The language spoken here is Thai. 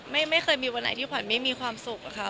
ไม่เคยมีวันไหนที่ขวัญไม่มีความสุขอะค่ะ